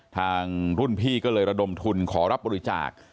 ทางรุ่นพี่ก็เลยระดมทุนขอรับบริจาค